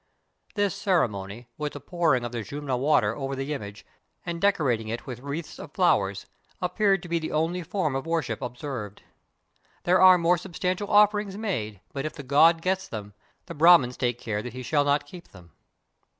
This cere mony, with the pouring of the Jumna water over the image, and decorating it with wreaths of flowers, ap peared to be the only form of worship observed. There are more substantial offerings made, but if the god gets them, the Brahmins take care that he shall not keep them.